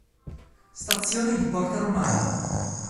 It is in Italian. Stazione di Porta Romana